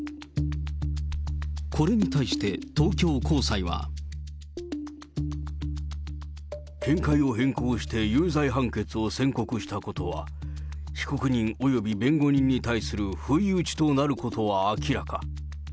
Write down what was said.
これに対して、東京高裁は。見解を変更して有罪判決を宣告したことは、被告人および弁護人に対する不意打ちとなることは明らか。